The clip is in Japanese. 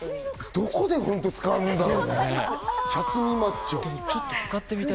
どこで使うんだろうね？